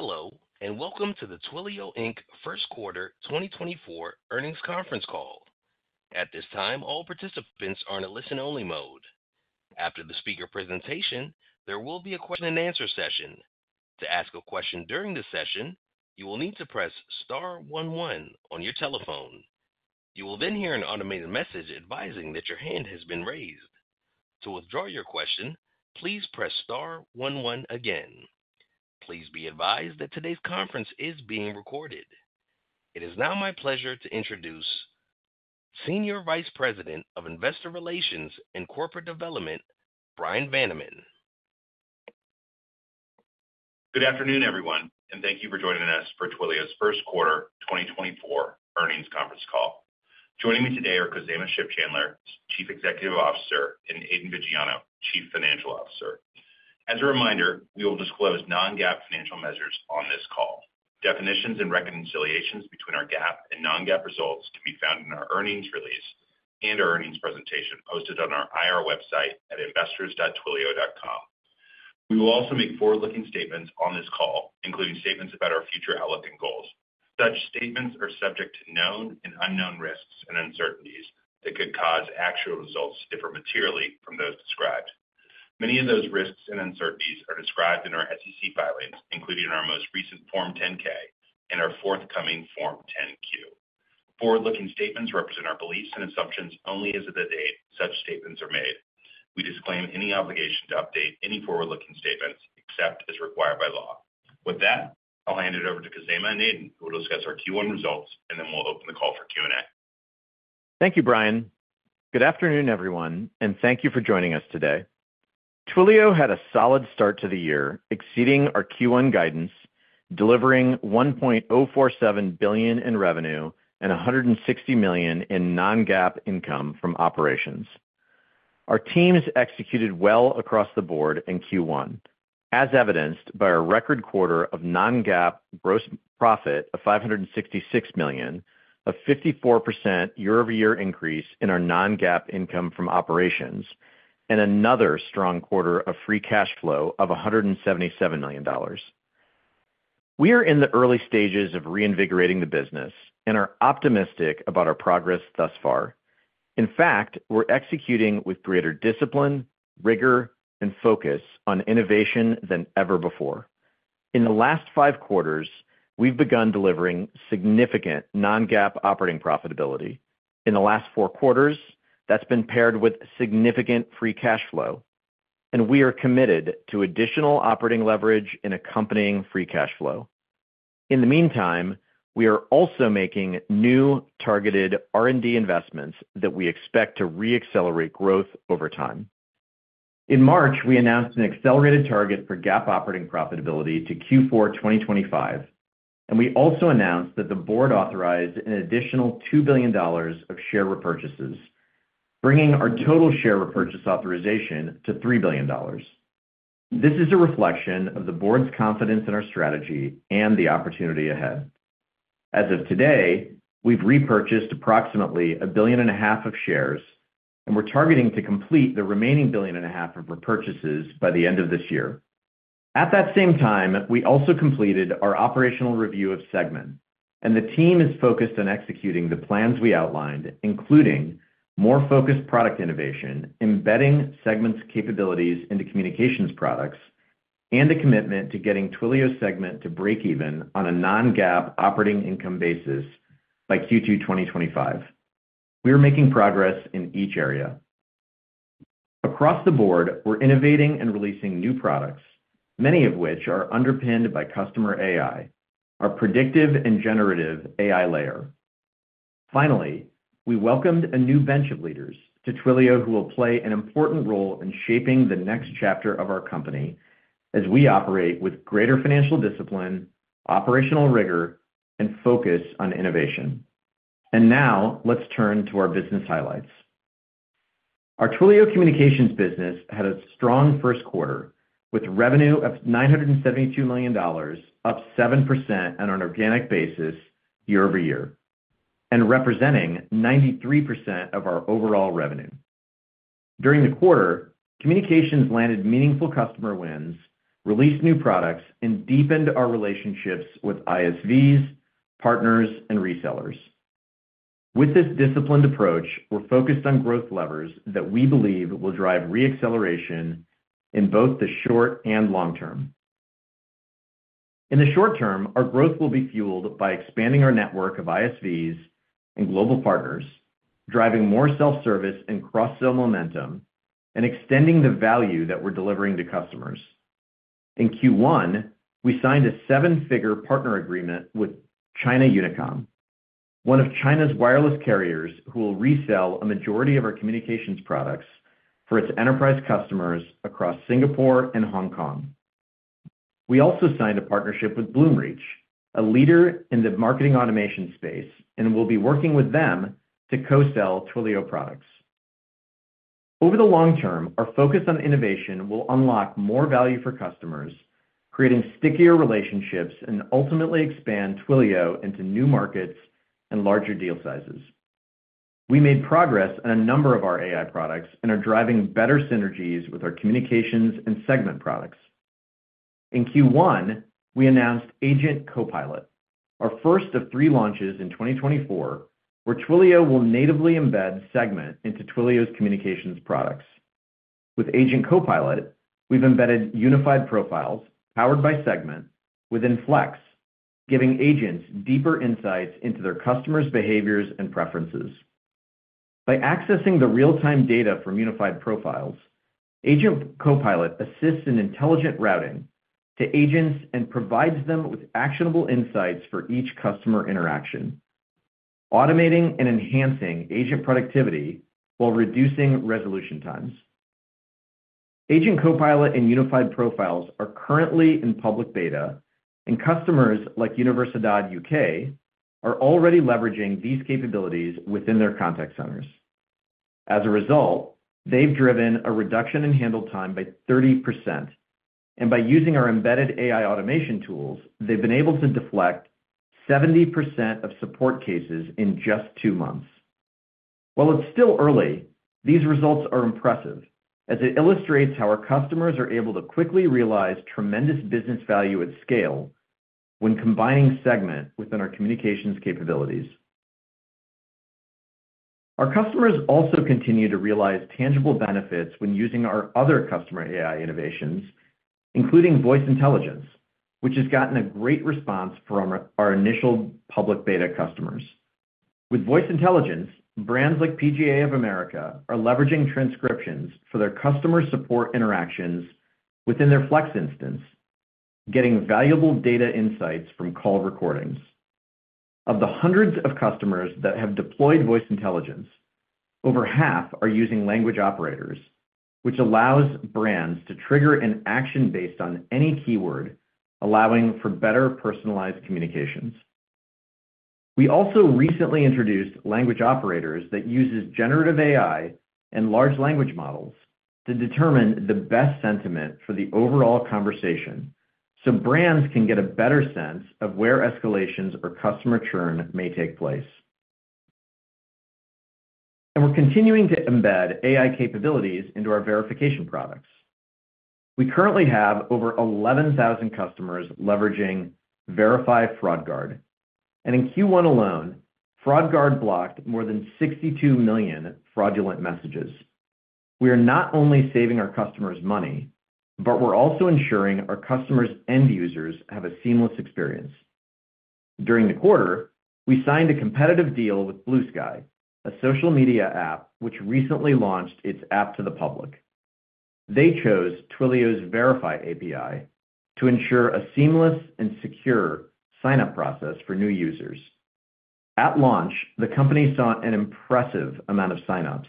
Hello and welcome to the Twilio Inc. first quarter 2024 earnings conference call. At this time, all participants are in a listen-only mode. After the speaker presentation, there will be a question-and-answer session. To ask a question during the session, you will need to press *11 on your telephone. You will then hear an automated message advising that your hand has been raised. To withdraw your question, please press star one one again. Please be advised that today's conference is being recorded. It is now my pleasure to introduce Senior Vice President of Investor Relations and Corporate Development, Bryan Vaniman. Good afternoon, everyone, and thank you for joining us for Twilio's first quarter 2024 earnings conference call. Joining me today are Khozema Shipchandler, Chief Executive Officer, and Aidan Viggiano, Chief Financial Officer. As a reminder, we will disclose non-GAAP financial measures on this call. Definitions and reconciliations between our GAAP and non-GAAP results can be found in our earnings release and our earnings presentation posted on our IR website at investors.twilio.com. We will also make forward-looking statements on this call, including statements about our future outlook and goals. Such statements are subject to known and unknown risks and uncertainties that could cause actual results to differ materially from those described. Many of those risks and uncertainties are described in our SEC filings, including in our most recent Form 10-K and our forthcoming Form 10-Q. Forward-looking statements represent our beliefs and assumptions only as of the date such statements are made. We disclaim any obligation to update any forward-looking statements except as required by law. With that, I'll hand it over to Khozema and Aidan, who will discuss our Q1 results, and then we'll open the call for Q&A. Thank you, Bryan. Good afternoon, everyone, and thank you for joining us today. Twilio had a solid start to the year, exceeding our Q1 guidance, delivering $1.047 billion in revenue and $160 million in non-GAAP income from operations. Our teams executed well across the board in Q1, as evidenced by a record quarter of non-GAAP gross profit of $566 million, a 54% year-over-year increase in our non-GAAP income from operations, and another strong quarter of free cash flow of $177 million. We are in the early stages of reinvigorating the business and are optimistic about our progress thus far. In fact, we're executing with greater discipline, rigor, and focus on innovation than ever before. In the last five quarters, we've begun delivering significant non-GAAP operating profitability. In the last four quarters, that's been paired with significant free cash flow, and we are committed to additional operating leverage in accompanying free cash flow. In the meantime, we are also making new targeted R&D investments that we expect to reaccelerate growth over time. In March, we announced an accelerated target for GAAP operating profitability to Q4 2025, and we also announced that the board authorized an additional $2 billion of share repurchases, bringing our total share repurchase authorization to $3 billion. This is a reflection of the board's confidence in our strategy and the opportunity ahead. As of today, we've repurchased approximately $1.5 billion of shares, and we're targeting to complete the remaining $1.5 billion of repurchases by the end of this year. At that same time, we also completed our operational review of Segment, and the team is focused on executing the plans we outlined, including more focused product innovation, embedding Segment's capabilities into Communications products, and a commitment to getting Twilio Segment to break even on a non-GAAP operating income basis by Q2 2025. We are making progress in each area. Across the board, we're innovating and releasing new products, many of which are underpinned by customerAI, our predictive and generative AI layer. Finally, we welcomed a new bench of leaders to Twilio who will play an important role in shaping the next chapter of our company as we operate with greater financial discipline, operational rigor, and focus on innovation. And now let's turn to our business highlights. Our Twilio Communications business had a strong first quarter with revenue of $972 million, up 7% on an organic basis year-over-year, and representing 93% of our overall revenue. During the quarter, Communications landed meaningful customer wins, released new products, and deepened our relationships with ISVs, partners, and resellers. With this disciplined approach, we're focused on growth levers that we believe will drive reacceleration in both the short and long term. In the short term, our growth will be fueled by expanding our network of ISVs and global partners, driving more self-service and cross-sale momentum, and extending the value that we're delivering to customers. In Q1, we signed a seven-figure partner agreement with China Unicom, one of China's wireless carriers who will resell a majority of our Communications products for its enterprise customers across Singapore and Hong Kong. We also signed a partnership with Bloomreach, a leader in the marketing automation space, and will be working with them to co-sell Twilio products. Over the long term, our focus on innovation will unlock more value for customers, creating stickier relationships, and ultimately expand Twilio into new markets and larger deal sizes. We made progress on a number of our AI products and are driving better synergies with our Communications and Segment products. In Q1, we announced Agent Copilot, our first of three launches in 2024, where Twilio will natively embed Segment into Twilio's Communications products. With Agent Copilot, we've embedded Unified Profiles powered by Segment within Flex, giving agents deeper insights into their customers' behaviors and preferences. By accessing the real-time data from Unified Profiles, Agent Copilot assists in intelligent routing to agents and provides them with actionable insights for each customer interaction, automating and enhancing agent productivity while reducing resolution times. Agent Copilot and Unified Profiles are currently in public beta, and customers like Universidad Uk are already leveraging these capabilities within their contact centers. As a result, they've driven a reduction in handle time by 30%, and by using our embedded AI automation tools, they've been able to deflect 70% of support cases in just two months. While it's still early, these results are impressive as it illustrates how our customers are able to quickly realize tremendous business value at scale when combining Segment within our Communications capabilities. Our customers also continue to realize tangible benefits when using our other CustomerAI innovations, including Voice Intelligence, which has gotten a great response from our initial public beta customers. With Voice Intelligence, brands like PGA of America are leveraging transcriptions for their customer support interactions within their Flex instance, getting valuable data insights from call recordings. Of the hundreds of customers that have deployed Voice Intelligence, over half are using Language Operators, which allows brands to trigger an action based on any keyword, allowing for better personalized Communications. We also recently introduced Language Operators that use generative AI and large language models to determine the best sentiment for the overall conversation so brands can get a better sense of where escalations or customer churn may take place. We're continuing to embed AI capabilities into our verification products. We currently have over 11,000 customers leveraging Verify FraudGuard, and in Q1 alone, FraudGuard blocked more than 62 million fraudulent messages. We are not only saving our customers money, but we're also ensuring our customers' end users have a seamless experience. During the quarter, we signed a competitive deal with Bluesky, a social media app which recently launched its app to the public. They chose Twilio's Verify API to ensure a seamless and secure signup process for new users. At launch, the company saw an impressive amount of signups,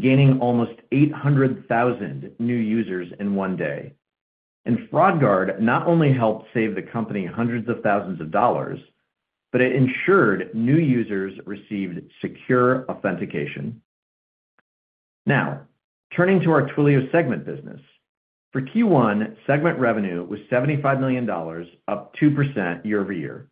gaining almost 800,000 new users in one day. And FraudGuard not only helped save the company hundreds of thousands of dollars, but it ensured new users received secure authentication. Now, turning to our Twilio Segment business. For Q1, Segment revenue was $75 million, up 2% year-over-year.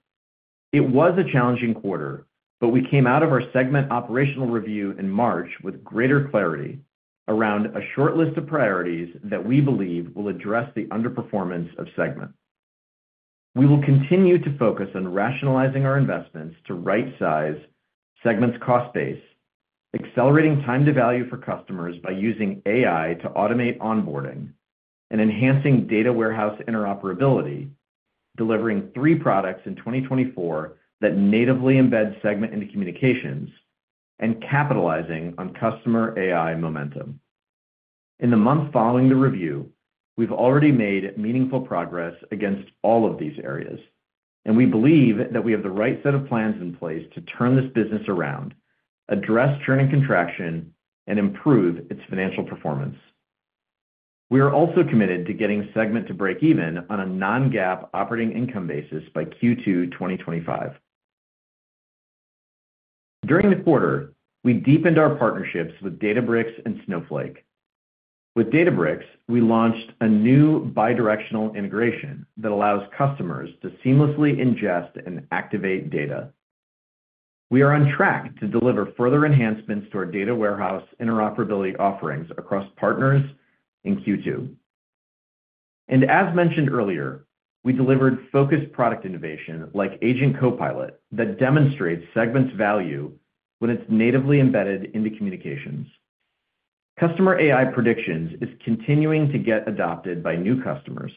It was a challenging quarter, but we came out of our Segment operational review in March with greater clarity around a short list of priorities that we believe will address the underperformance of Segment. We will continue to focus on rationalizing our investments to right-size Segment's cost base, accelerating time to value for customers by using AI to automate onboarding, and enhancing Data Warehouse Iinteroperability, delivering three products in 2024 that natively embed Segment into Communications, and capitalizing on CustomerAI momentum. In the month following the review, we've already made meaningful progress against all of these areas, and we believe that we have the right set of plans in place to turn this business around, address churn and contraction, and improve its financial performance. We are also committed to getting Segment to break even on a non-GAAP operating income basis by Q2 2025. During the quarter, we deepened our partnerships with Databricks and Snowflake. With Databricks, we launched a new bidirectional integration that allows customers to seamlessly ingest and activate data. We are on track to deliver further enhancements to our Data Warehouse Interoperability offerings across partners in Q2. As mentioned earlier, we delivered focused product innovation like Agent Copilot that demonstrates Segment's value when it's natively embedded into Communications. CustomerAI predictions are continuing to get adopted by new customers,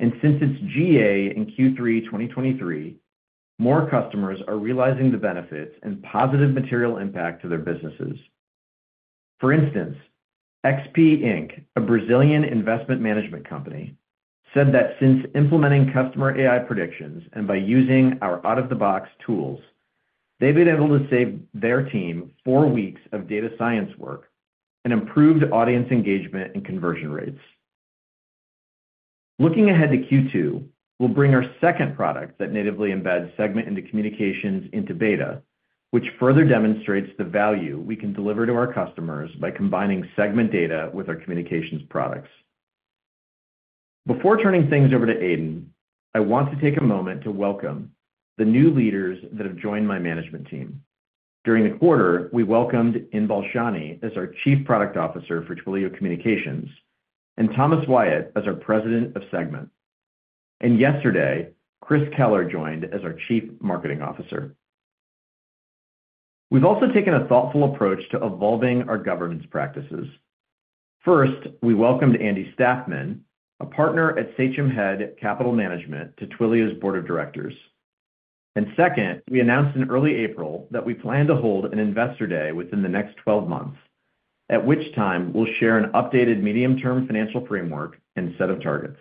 and since its GA in Q3 2023, more customers are realizing the benefits and positive material impact to their businesses. For instance, XP, Inc., a Brazilian investment management company, said that since implementing CustomerAI predictions and by using our out-of-the-box tools, they've been able to save their team four weeks of data science work and improved audience engagement and conversion rates. Looking ahead to Q2, we'll bring our second product that natively embeds Segment into Communications into beta, which further demonstrates the value we can deliver to our customers by combining Segment data with our Communications products. Before turning things over to Aidan, I want to take a moment to welcome the new leaders that have joined my management team. During the quarter, we welcomed Inbal Shani as our Chief Product Officer for Twilio Communications and Thomas Wyatt as our President of Segment. Yesterday, Chris Koehler joined as our Chief Marketing Officer. We've also taken a thoughtful approach to evolving our governance practices. First, we welcomed Andy Stafman, a partner at Sachem Head Capital Management, to Twilio's Board of Directors. Second, we announced in early April that we plan to hold an investor day within the next 12 months, at which time we'll share an updated medium-term financial framework and set of targets.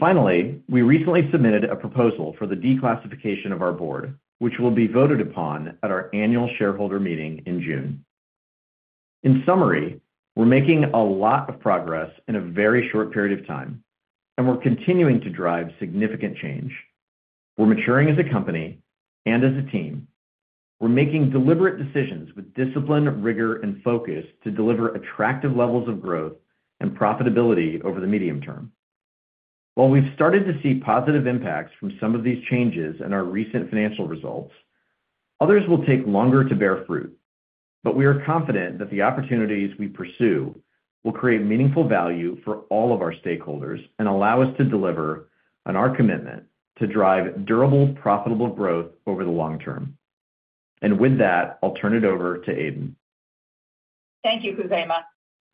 Finally, we recently submitted a proposal for the declassification of our board, which will be voted upon at our annual shareholder meeting in June. In summary, we're making a lot of progress in a very short period of time, and we're continuing to drive significant change. We're maturing as a company and as a team. We're making deliberate decisions with discipline, rigor, and focus to deliver attractive levels of growth and profitability over the medium term. While we've started to see positive impacts from some of these changes and our recent financial results, others will take longer to bear fruit. We are confident that the opportunities we pursue will create meaningful value for all of our stakeholders and allow us to deliver on our commitment to drive durable, profitable growth over the long term. With that, I'll turn it over to Aidan. Thank you, Khozema.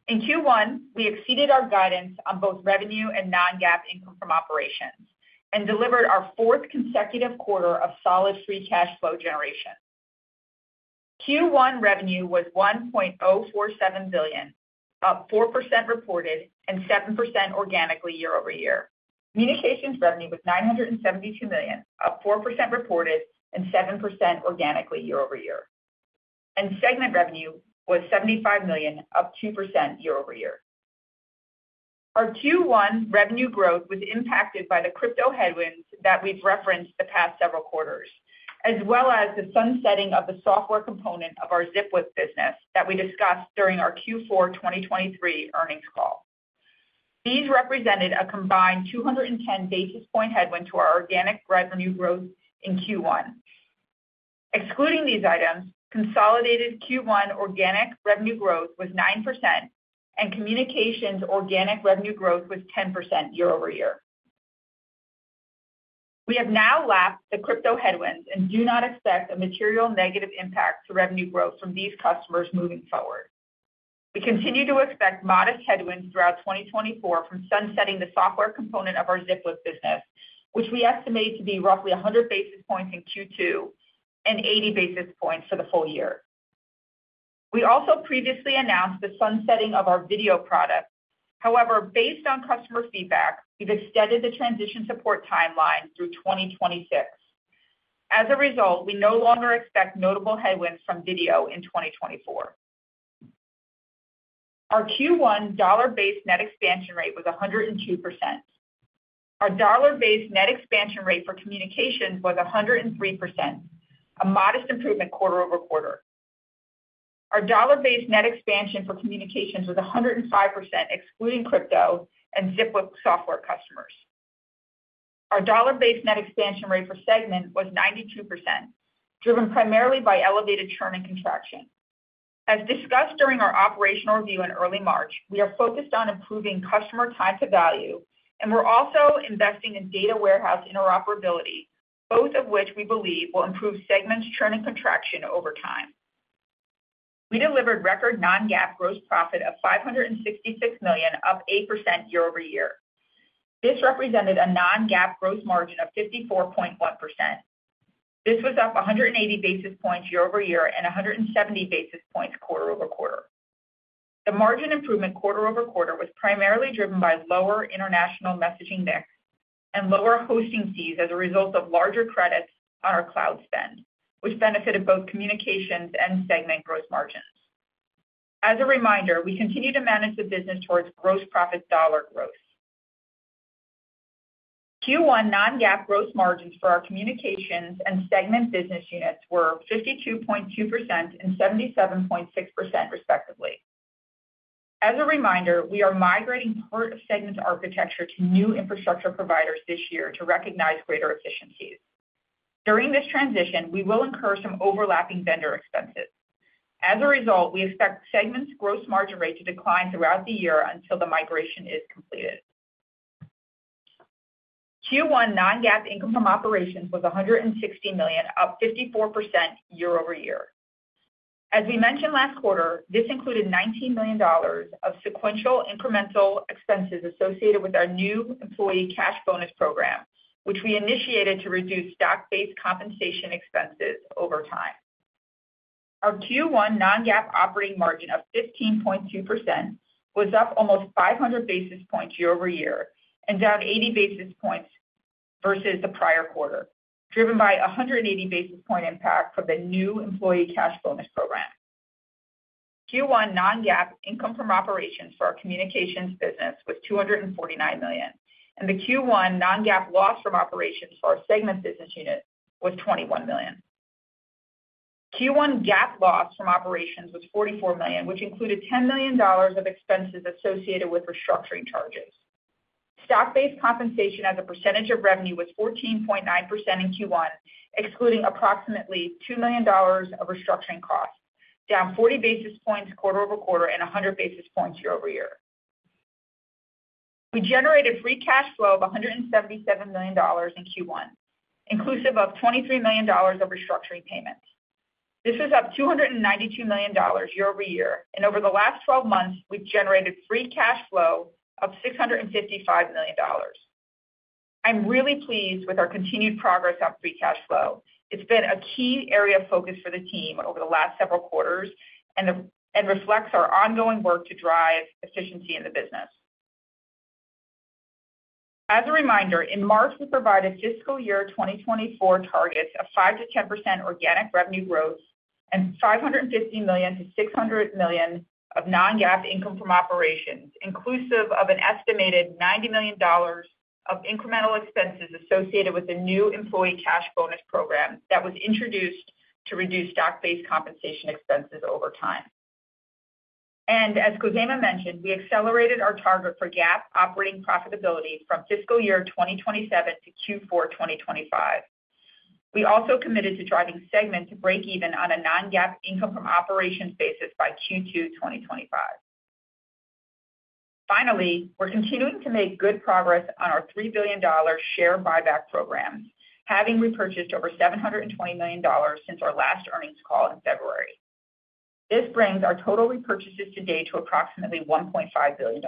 In Q1, we exceeded our guidance on both revenue and non-GAAP income from operations and delivered our fourth consecutive quarter of solid free cash flow generation. Q1 revenue was $1.047 billion, up 4% reported and 7% organically year-over-year. Communications revenue was $972 million, up 4% reported and 7% organically year-over-year. Segment revenue was $75 million, up 2% year-over-year. Our Q1 revenue growth was impacted by the crypto headwinds that we've referenced the past several quarters, as well as the sunsetting of the software component of our Zipwhip business that we discussed during our Q4 2023 earnings call. These represented a combined 210 basis point headwind to our organic revenue growth in Q1. Excluding these items, consolidated Q1 organic revenue growth was 9%, and Communications organic revenue growth was 10% year-over-year. We have now lapped the crypto headwinds and do not expect a material negative impact to revenue growth from these customers moving forward. We continue to expect modest headwinds throughout 2024 from sunsetting the software component of our Zipwhip business, which we estimate to be roughly 100 basis points in Q2 and 80 basis points for the full year. We also previously announced the sunsetting of our video product. However, based on customer feedback, we've extended the transition support timeline through 2026. As a result, we no longer expect notable headwinds from video in 2024. Our Q1 dollar-based net expansion rate was 102%. Our dollar-based net expansion rate for Communications was 103%, a modest improvement quarter-over-quarter. Our dollar-based net expansion for Communications was 105%, excluding crypto and Zipwhip software customers. Our dollar-based net expansion rate for Segment was 92%, driven primarily by elevated churn and contraction. As discussed during our operational review in early March, we are focused on improving customer time to value, and we're also investing in Data Warehouse Interoperability, both of which we believe will improve Segment's churn and contraction over time. We delivered record non-GAAP gross profit of $566 million, up 8% year-over-year. This represented a non-GAAP gross margin of 54.1%. This was up 180 basis points year-over-year and 170 basis points quarter-over-quarter. The margin improvement quarter-over-quarter was primarily driven by lower international messaging mix and lower hosting fees as a result of larger credits on our cloud spend, which benefited both Communications and Segment gross margins. As a reminder, we continue to manage the business towards gross profit dollar growth. Q1 non-GAAP gross margins for our Communications and Segment business units were 52.2% and 77.6%, respectively. As a reminder, we are migrating part of Segment's architecture to new infrastructure providers this year to recognize greater efficiencies. During this transition, we will incur some overlapping vendor expenses. As a result, we expect Segment's gross margin rate to decline throughout the year until the migration is completed. Q1 Non-GAAP income from operations was $160 million, up 54% year-over-year. As we mentioned last quarter, this included $19 million of sequential incremental expenses associated with our new employee cash bonus program, which we initiated to reduce stock-based compensation expenses over time. Our Q1 Non-GAAP operating margin of 15.2% was up almost 500 basis points year-over-year and down 80 basis points versus the prior quarter, driven by 180 basis points impact from the new employee cash bonus program. Q1 non-GAAP income from operations for our Communications business was $249 million, and the Q1 non-GAAP loss from operations for our Segment business unit was $21 million. Q1 GAAP loss from operations was $44 million, which included $10 million of expenses associated with restructuring charges. Stock-based compensation as a percentage of revenue was 14.9% in Q1, excluding approximately $2 million of restructuring costs, down 40 basis points quarter-over-quarter and 100 basis points year-over-year. We generated free cash flow of $177 million in Q1, inclusive of $23 million of restructuring payments. This was up $292 million year-over-year, and over the last 12 months, we've generated free cash flow of $655 million. I'm really pleased with our continued progress on free cash flow. It's been a key area of focus for the team over the last several quarters and reflects our ongoing work to drive efficiency in the business. As a reminder, in March, we provided fiscal year 2024 targets of 5%-10% organic revenue growth and $550 million-$600 million of non-GAAP income from operations, inclusive of an estimated $90 million of incremental expenses associated with the new employee cash bonus program that was introduced to reduce stock-based compensation expenses over time. As Khozema mentioned, we accelerated our target for GAAP operating profitability from fiscal year 2027 to Q4 2025. We also committed to driving Segment to break even on a non-GAAP income from operations basis by Q2 2025. Finally, we're continuing to make good progress on our $3 billion share buyback programs, having repurchased over $720 million since our last earnings call in February. This brings our total repurchases to date to approximately $1.5 billion.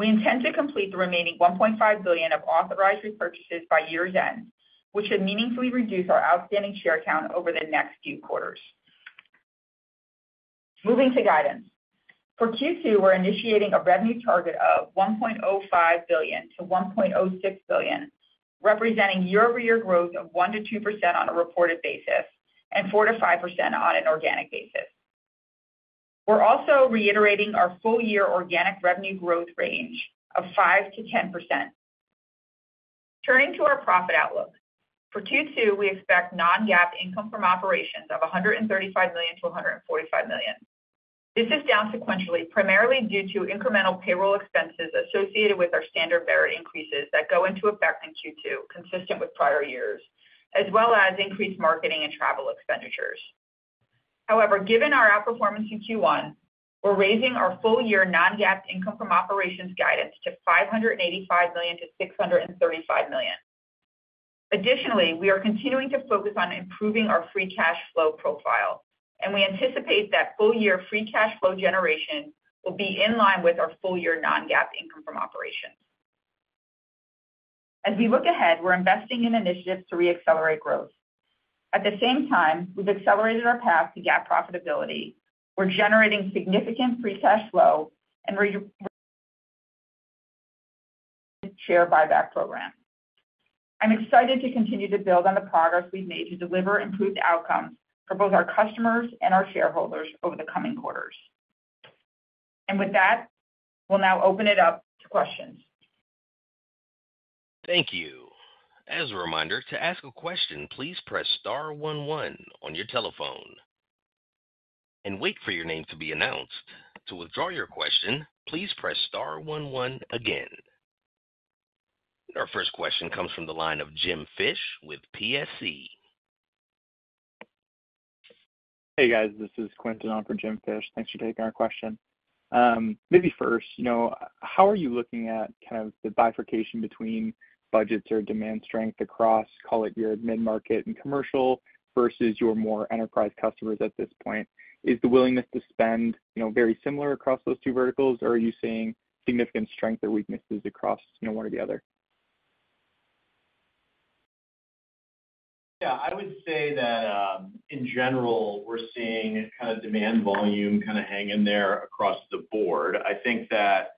We intend to complete the remaining $1.5 billion of authorized repurchases by year's end, which should meaningfully reduce our outstanding share count over the next few quarters. Moving to guidance, for Q2, we're initiating a revenue target of $1.05 billion-$1.06 billion, representing year-over-year growth of 1%-2% on a reported basis and 4%-5% on an organic basis. We're also reiterating our full-year organic revenue growth range of 5%-10%. Turning to our profit outlook, for Q2, we expect non-GAAP income from operations of $135 million-$145 million. This is down sequentially, primarily due to incremental payroll expenses associated with our standard merit increases that go into effect in Q2, consistent with prior years, as well as increased marketing and travel expenditures. However, given our outperformance in Q1, we're raising our full-year non-GAAP income from operations guidance to $585 million-$635 million. Additionally, we are continuing to focus on improving our free cash flow profile, and we anticipate that full-year free cash flow generation will be in line with our full-year non-GAAP income from operations. As we look ahead, we're investing in initiatives to reaccelerate growth. At the same time, we've accelerated our path to GAAP profitability. We're generating significant free cash flow and share buyback programs. I'm excited to continue to build on the progress we've made to deliver improved outcomes for both our customers and our shareholders over the coming quarters. With that, we'll now open it up to questions. Thank you. As a reminder, to ask a question, please press star one one on your telephone and wait for your name to be announced. To withdraw your question, please press star one one again. Our first question comes from the line of Jim Fish with PSC. Hey, guys. This is Quentin on for Jim Fish. Thanks for taking our question. Maybe first, how are you looking at kind of the bifurcation between budgets or demand strength across, call it your mid-market and commercial versus your more enterprise customers at this point? Is the willingness to spend very similar across those two verticals, or are you seeing significant strength or weaknesses across one or the other? Yeah. I would say that, in general, we're seeing kind of demand volume kind of hang in there across the board. I think that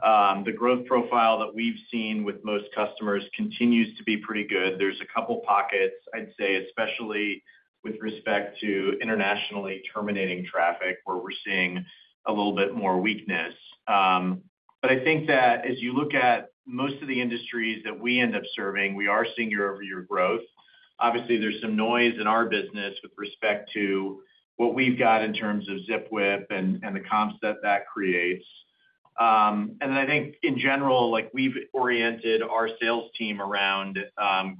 the growth profile that we've seen with most customers continues to be pretty good. There's a couple of pockets, I'd say, especially with respect to internationally terminating traffic, where we're seeing a little bit more weakness. But I think that as you look at most of the industries that we end up serving, we are seeing year-over-year growth. Obviously, there's some noise in our business with respect to what we've got in terms of Zipwhip and the comps that that creates. And then I think, in general, we've oriented our sales team around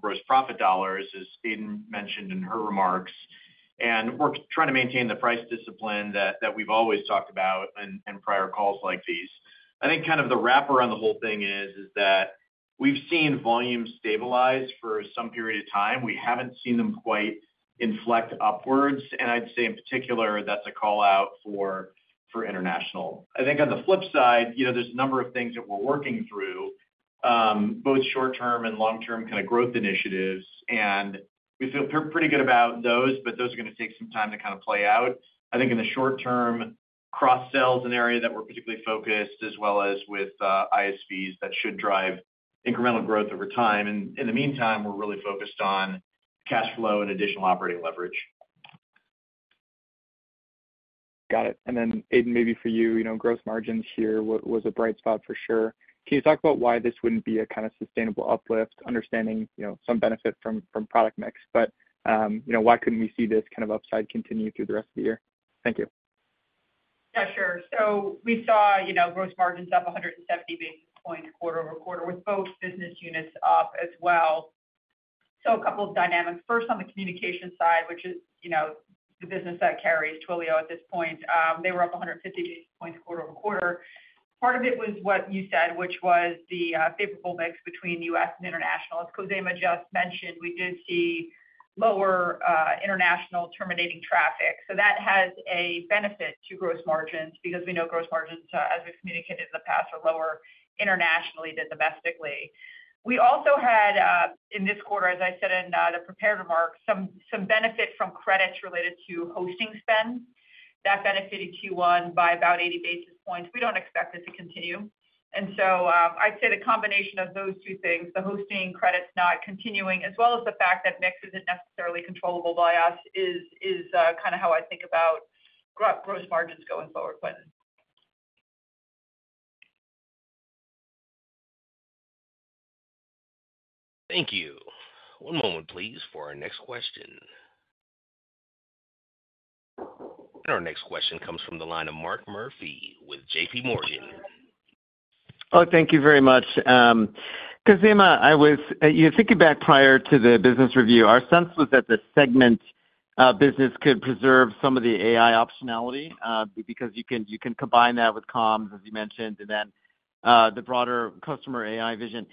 gross profit dollars, as Aidan mentioned in her remarks. And we're trying to maintain the price discipline that we've always talked about in prior calls like these. I think kind of the wrapper on the whole thing is that we've seen volume stabilize for some period of time. We haven't seen them quite inflect upwards. And I'd say, in particular, that's a callout for international. I think on the flip side, there's a number of things that we're working through, both short-term and long-term kind of growth initiatives. And we feel pretty good about those, but those are going to take some time to kind of play out. I think in the short term, cross-sale is an area that we're particularly focused, as well as with ISVs that should drive incremental growth over time. And in the meantime, we're really focused on cash flow and additional operating leverage. Got it. And then, Aidan, maybe for you, gross margins here was a bright spot for sure. Can you talk about why this wouldn't be a kind of sustainable uplift, understanding some benefit from product mix, but why couldn't we see this kind of upside continue through the rest of the year? Thank you. Yeah, sure. So we saw gross margins up 170 basis points quarter-over-quarter, with both business units up as well. So a couple of dynamics. First, on the Communications side, which is the business that carries Twilio at this point, they were up 150 basis points quarter-over-quarter. Part of it was what you said, which was the favorable mix between U.S. and international. As Khozema just mentioned, we did see lower international terminating traffic. So that has a benefit to gross margins because we know gross margins, as we've communicated in the past, are lower internationally than domestically. We also had, in this quarter, as I said in the prepared remarks, some benefit from credits related to hosting spend. That benefited Q1 by about 80 basis points. We don't expect this to continue. And so I'd say the combination of those two things, the hosting credits not continuing, as well as the fact that mix isn't necessarily controllable by us, is kind of how I think about gross margins going forward, Quentin. Thank you. One moment, please, for our next question. Our next question comes from the line of Mark Murphy with JPMorgan. Oh, thank you very much. Khozema, thinking back prior to the business review, our sense was that the Segment business could preserve some of the AI optionality because you can combine that with comms, as you mentioned, and then the broader CustomerAI vision.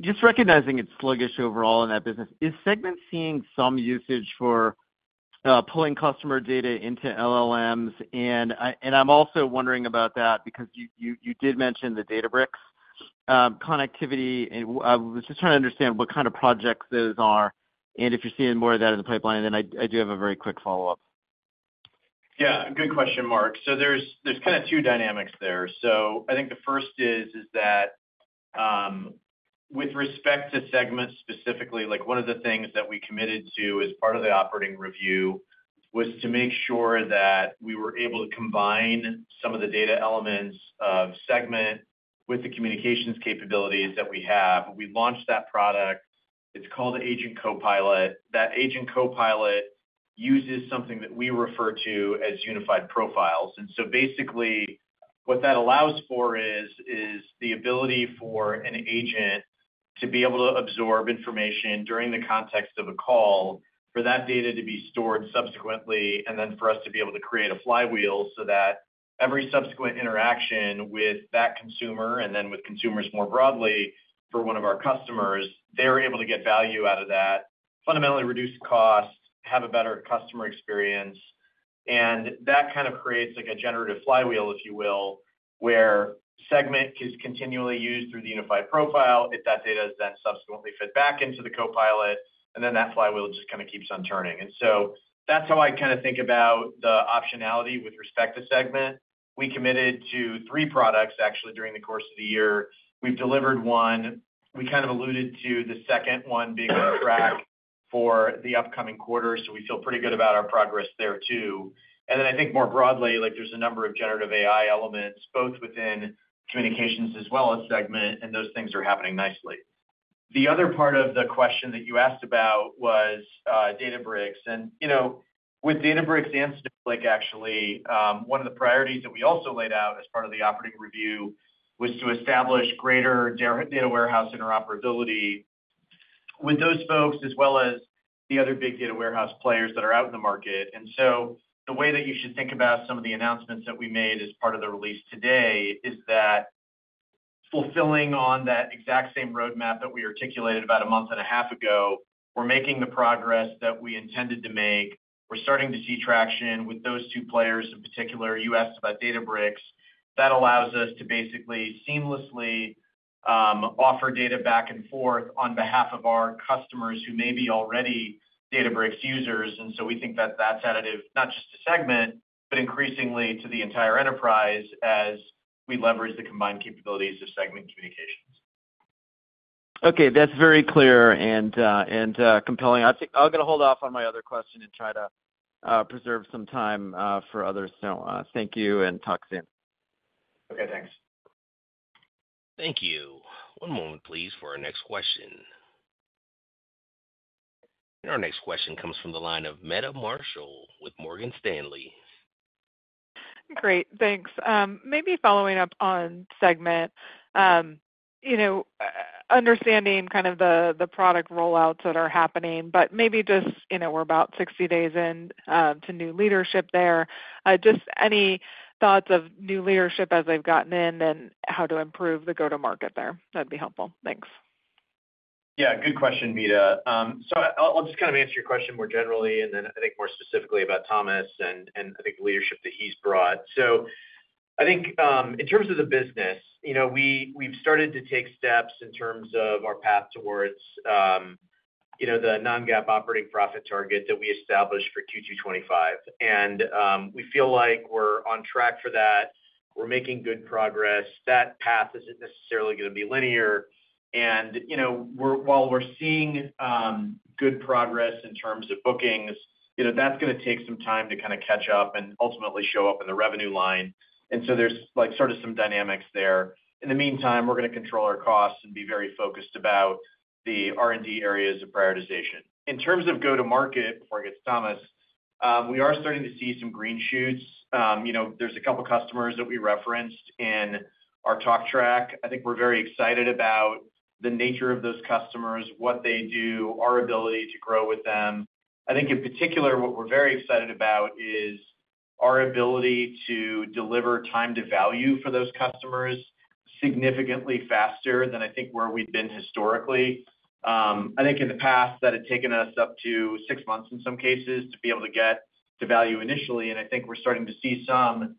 Just recognizing it's sluggish overall in that business, is Segment seeing some usage for pulling customer data into LLMs? And I'm also wondering about that because you did mention the Databricks connectivity. I was just trying to understand what kind of projects those are. And if you're seeing more of that in the pipeline, then I do have a very quick follow-up. Yeah. Good question, Mark. So there's kind of two dynamics there. So I think the first is that with respect to Segment specifically, one of the things that we committed to as part of the operating review was to make sure that we were able to combine some of the data elements of Segment with the Communications capabilities that we have. We launched that product. It's called Agent Copilot. That Agent Copilot uses something that we refer to as Unified Profiles. And so basically, what that allows for is the ability for an agent to be able to absorb information during the context of a call, for that data to be stored subsequently, and then for us to be able to create a flywheel so that every subsequent interaction with that consumer and then with consumers more broadly for one of our customers, they're able to get value out of that, fundamentally reduce cost, have a better customer experience. And that kind of creates a generative flywheel, if you will, where Segment is continually used through the unified profile if that data is then subsequently fed back into the Copilot, and then that flywheel just kind of keeps on turning. And so that's how I kind of think about the optionality with respect to Segment. We committed to three products, actually, during the course of the year. We've delivered one. We kind of alluded to the second one being on track for the upcoming quarter. So we feel pretty good about our progress there too. And then I think more broadly, there's a number of generative AI elements, both within Communications as well as Segment, and those things are happening nicely. The other part of the question that you asked about was Databricks. And with Databricks and Snowflake, actually, one of the priorities that we also laid out as part of the operating review was to establish greater Data Warehouse Interoperability with those folks, as well as the other big data warehouse players that are out in the market. The way that you should think about some of the announcements that we made as part of the release today is that fulfilling on that exact same roadmap that we articulated about a month and a half ago, we're making the progress that we intended to make. We're starting to see traction with those two players in particular. You asked about Databricks. That allows us to basically seamlessly offer data back and forth on behalf of our customers who may be already Databricks users. And so we think that that's additive, not just to Segment, but increasingly to the entire enterprise as we leverage the combined capabilities of Segment Communications. Okay. That's very clear and compelling. I'm going to hold off on my other question and try to preserve some time for others. So thank you and talk soon. Okay. Thanks. Thank you. One moment, please, for our next question. Our next question comes from the line of Meta Marshall with Morgan Stanley. Great. Thanks. Maybe following up on Segment, understanding kind of the product rollouts that are happening, but maybe just we're about 60 days into new leadership there. Just any thoughts of new leadership as they've gotten in and how to improve the go-to-market there? That'd be helpful. Thanks. Yeah. Good question, Meta. So I'll just kind of answer your question more generally and then I think more specifically about Thomas and I think the leadership that he's brought. So I think in terms of the business, we've started to take steps in terms of our path towards the non-GAAP operating profit target that we established for Q2 2025. And we feel like we're on track for that. We're making good progress. That path isn't necessarily going to be linear. And while we're seeing good progress in terms of bookings, that's going to take some time to kind of catch up and ultimately show up in the revenue line. And so there's sort of some dynamics there. In the meantime, we're going to control our costs and be very focused about the R&D areas of prioritization. In terms of go-to-market, before I get to Thomas, we are starting to see some green shoots. There's a couple of customers that we referenced in our talk track. I think we're very excited about the nature of those customers, what they do, our ability to grow with them. I think, in particular, what we're very excited about is our ability to deliver time to value for those customers significantly faster than I think where we've been historically. I think in the past, that had taken us up to six months in some cases to be able to get to value initially. And I think we're starting to see some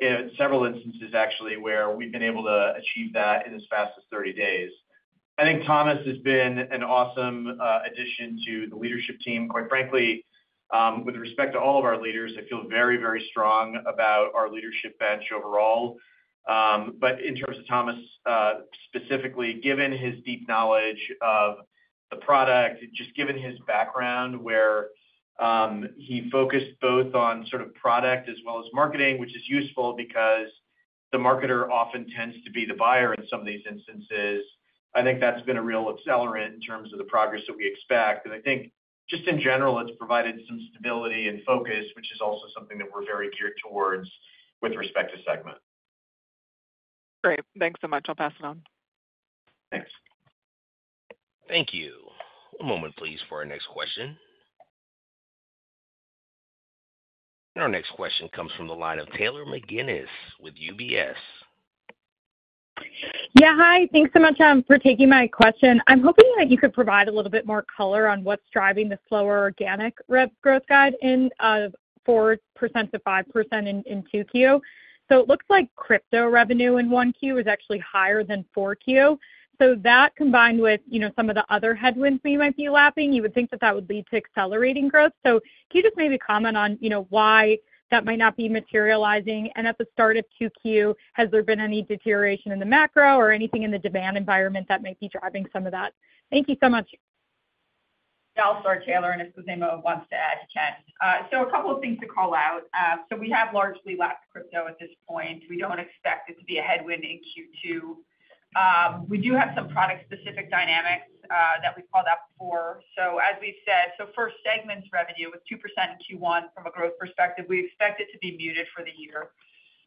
in several instances, actually, where we've been able to achieve that in as fast as 30 days. I think Thomas has been an awesome addition to the leadership team. Quite frankly, with respect to all of our leaders, I feel very, very strong about our leadership bench overall. But in terms of Thomas specifically, given his deep knowledge of the product, just given his background where he focused both on sort of product as well as marketing, which is useful because the marketer often tends to be the buyer in some of these instances, I think that's been a real accelerant in terms of the progress that we expect. And I think, just in general, it's provided some stability and focus, which is also something that we're very geared towards with respect to Segment. Great. Thanks so much. I'll pass it on. Thanks. Thank you. One moment, please, for our next question. Our next question comes from the line of Taylor McGinnis with UBS. Yeah. Hi. Thanks so much for taking my question. I'm hoping that you could provide a little bit more color on what's driving the slower organic rep growth guide in 4%-5% in 2Q. So it looks like crypto revenue in 1Q is actually higher than 4Q. So that combined with some of the other headwinds we might be lapping, you would think that that would lead to accelerating growth. So can you just maybe comment on why that might not be materializing? And at the start of 2Q, has there been any deterioration in the macro or anything in the demand environment that might be driving some of that? Thank you so much. Yeah. I'll start, Taylor. And if Khozema wants to add, you can. So a couple of things to call out. So we have largely lapped crypto at this point. We don't expect it to be a headwind in Q2. We do have some product-specific dynamics that we've called out for. So as we've said, so first, Segment's revenue with 2% in Q1 from a growth perspective, we expect it to be muted for the year.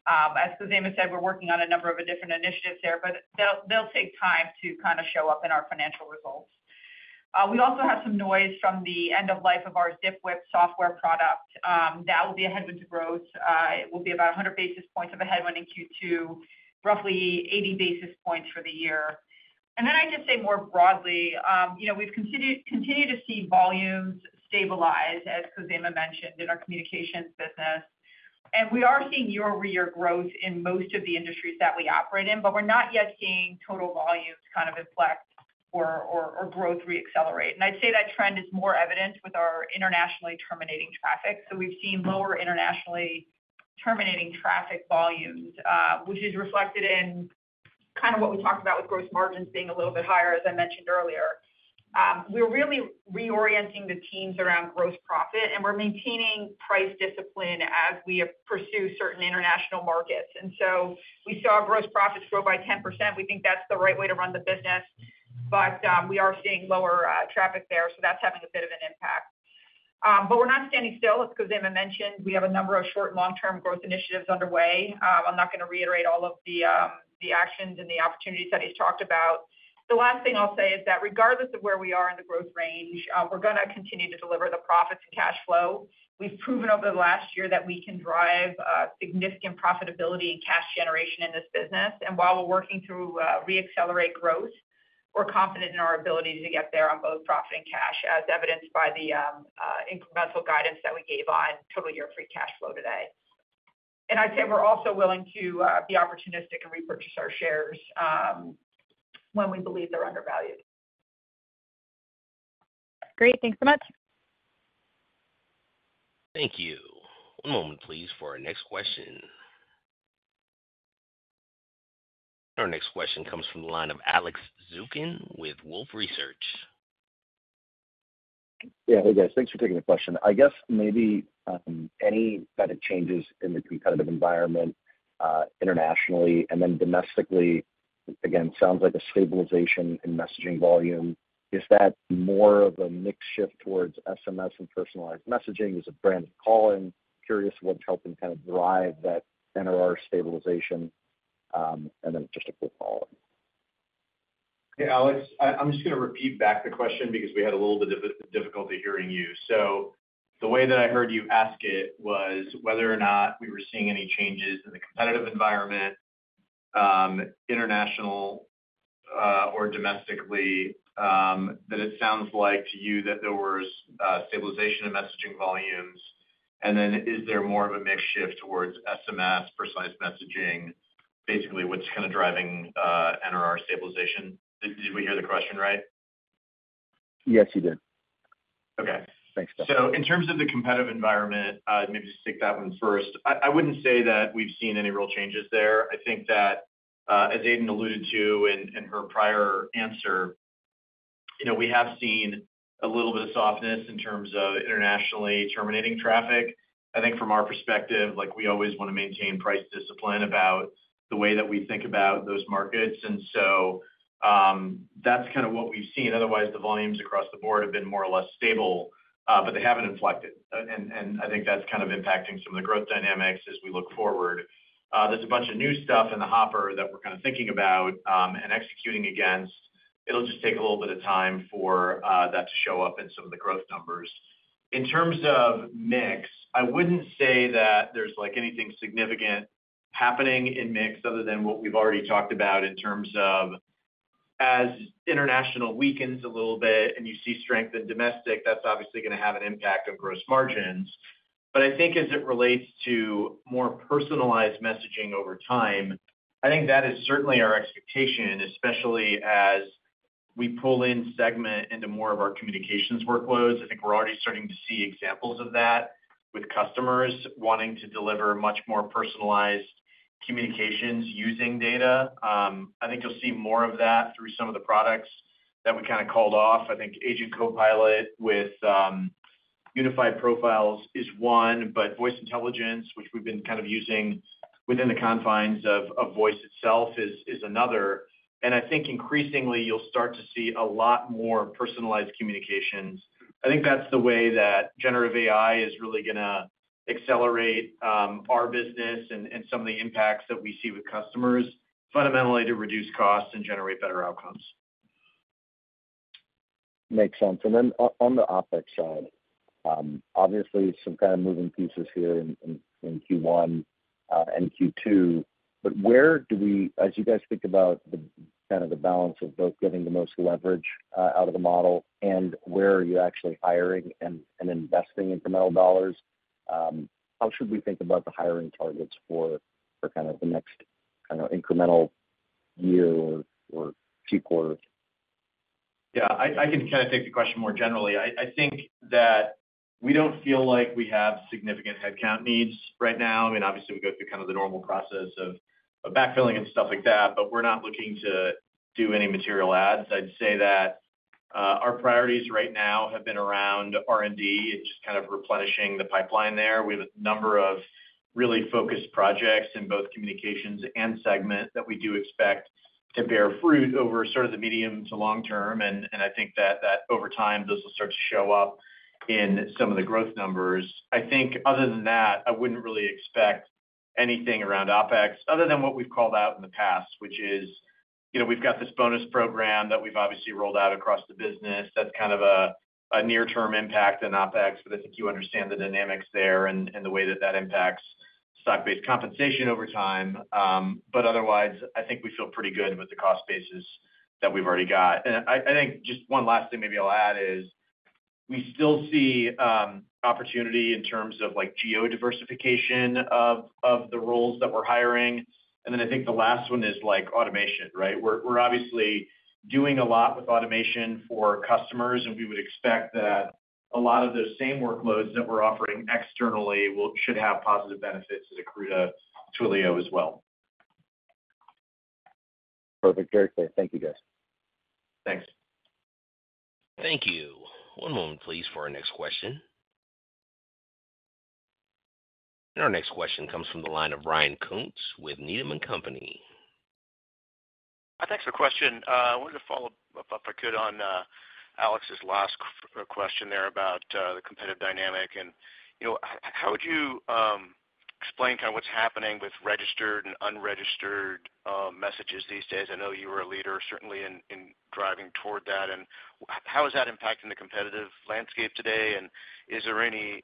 As Khozema said, we're working on a number of different initiatives there, but they'll take time to kind of show up in our financial results. We also have some noise from the end of life of our Zipwhip software product. That will be a headwind to growth. It will be about 100 basis points of a headwind in Q2, roughly 80 basis points for the year. Then I'd just say more broadly, we've continued to see volumes stabilize, as Khozema mentioned, in our Communications business. We are seeing year-over-year growth in most of the industries that we operate in, but we're not yet seeing total volumes kind of inflect or growth reaccelerate. I'd say that trend is more evident with our internationally terminating traffic. We've seen lower internationally terminating traffic volumes, which is reflected in kind of what we talked about with gross margins being a little bit higher, as I mentioned earlier. We're really reorienting the teams around gross profit, and we're maintaining price discipline as we pursue certain international markets. We saw gross profits grow by 10%. We think that's the right way to run the business, but we are seeing lower traffic there. That's having a bit of an impact. We're not standing still. As Khozema mentioned, we have a number of short and long-term growth initiatives underway. I'm not going to reiterate all of the actions and the opportunities that he's talked about. The last thing I'll say is that regardless of where we are in the growth range, we're going to continue to deliver the profits and cash flow. We've proven over the last year that we can drive significant profitability and cash generation in this business. And while we're working through reaccelerate growth, we're confident in our ability to get there on both profit and cash, as evidenced by the incremental guidance that we gave on total year-free cash flow today. And I'd say we're also willing to be opportunistic and repurchase our shares when we believe they're undervalued. Great. Thanks so much. Thank you. One moment, please, for our next question. Our next question comes from the line of Alex Zukin with Wolfe Research. Yeah. Hey, guys. Thanks for taking the question. I guess maybe any better changes in the competitive environment internationally and then domestically, again, sounds like a stabilization in messaging volume. Is that more of a mix shift towards SMS and personalized messaging? Is it branded calling? Curious what's helping kind of drive that NRR stabilization. And then just a quick follow-up. Hey, Alex. I'm just going to repeat back the question because we had a little bit of difficulty hearing you. So the way that I heard you ask it was whether or not we were seeing any changes in the competitive environment, international or domestically, that it sounds like to you that there was stabilization in messaging volumes. And then is there more of a mix shift towards SMS, personalized messaging? Basically, what's kind of driving NRR stabilization? Did we hear the question right? Yes, you did. Thanks Alex. Okay. So in terms of the competitive environment, maybe just take that one first. I wouldn't say that we've seen any real changes there. I think that, as Aidan alluded to in her prior answer, we have seen a little bit of softness in terms of internationally terminating traffic. I think from our perspective, we always want to maintain price discipline about the way that we think about those markets. And so that's kind of what we've seen. Otherwise, the volumes across the board have been more or less stable, but they haven't inflected. And I think that's kind of impacting some of the growth dynamics as we look forward. There's a bunch of new stuff in the hopper that we're kind of thinking about and executing against. It'll just take a little bit of time for that to show up in some of the growth numbers. In terms of mix, I wouldn't say that there's anything significant happening in mix other than what we've already talked about in terms of as international weakens a little bit and you see strength in domestic, that's obviously going to have an impact on gross margins. But I think as it relates to more personalized messaging over time, I think that is certainly our expectation, especially as we pull in Segment into more of our Communications workloads. I think we're already starting to see examples of that with customers wanting to deliver much more personalized Communications using data. I think you'll see more of that through some of the products that we kind of called off. I think Agent Copilot with Unified Profiles is one, but Voice Intelligence, which we've been kind of using within the confines of Voice itself, is another. I think increasingly, you'll start to see a lot more personalized Communications. I think that's the way that generative AI is really going to accelerate our business and some of the impacts that we see with customers, fundamentally to reduce costs and generate better outcomes. Makes sense. And then on the OpEx side, obviously, some kind of moving pieces here in Q1 and Q2. But where do we, as you guys think about kind of the balance of both getting the most leverage out of the model and where are you actually hiring and investing incremental dollars? How should we think about the hiring targets for kind of the next kind of incremental year or Q4? Yeah. I can kind of take the question more generally. I think that we don't feel like we have significant headcount needs right now. I mean, obviously, we go through kind of the normal process of backfilling and stuff like that, but we're not looking to do any material ads. I'd say that our priorities right now have been around R&D and just kind of replenishing the pipeline there. We have a number of really focused projects in both Communications and Segment that we do expect to bear fruit over sort of the medium to long term. And I think that over time, those will start to show up in some of the growth numbers. I think other than that, I wouldn't really expect anything around OpEx other than what we've called out in the past, which is we've got this bonus program that we've obviously rolled out across the business. That's kind of a near-term impact on OpEx, but I think you understand the dynamics there and the way that that impacts stock-based compensation over time. But otherwise, I think we feel pretty good with the cost basis that we've already got. And I think just one last thing maybe I'll add is we still see opportunity in terms of geodiversification of the roles that we're hiring. And then I think the last one is automation, right? We're obviously doing a lot with automation for customers, and we would expect that a lot of those same workloads that we're offering externally should have positive benefits accrue to Twilio as well. Perfect. Very clear. Thank you, guys. Thanks. Thank you. One moment, please, for our next question. Our next question comes from the line of Ryan Coontz with Needham & Company. Thanks for the question. I wanted to follow up if I could on Alex's last question there about the competitive dynamic. And how would you explain kind of what's happening with registered and unregistered messages these days? I know you were a leader, certainly, in driving toward that. And how is that impacting the competitive landscape today? And is there any?